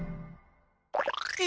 え？